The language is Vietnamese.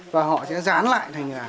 và họ sẽ dán lại thành là